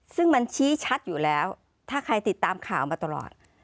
ซึ่งมันชี้ชัดอยู่แล้วถ้าใครติดตามข่าวมาตลอด